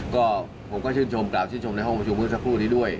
ก็ผมก็ชื่นชมกล่าวชื่นชมในห้องประชุมเมื่อสักครู่นี้ด้วย